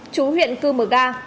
chú huyện cư mở ga